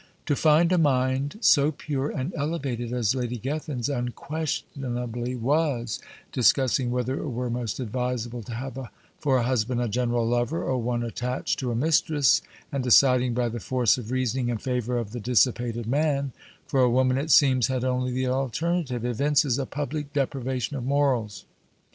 To find a mind so pure and elevated as Lady Gethin's unquestionably was, discussing whether it were most advisable to have for a husband a general lover, or one attached to a mistress, and deciding by the force of reasoning in favour of the dissipated man (for a woman, it seems, had only the alternative), evinces a public depravation of morals.